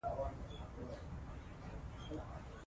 ګاز د افغانستان د ولایاتو په کچه توپیر لري.